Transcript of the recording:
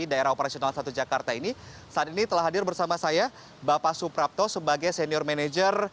daerah operasional satu jakarta ini saat ini telah hadir bersama saya bapak suprapto sebagai senior manager